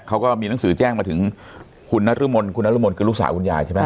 เขาก็มีหนังสือแจ้งมาถึงคุณนรมนคุณนรมนคือลูกสาวคุณยายใช่ไหม